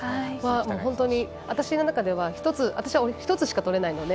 本当に、私の中では１つしかとれないので。